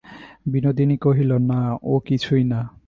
বিনোদিনী কহিল, না, ও কিছুই না।